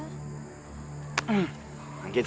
tapi kurang menyakiti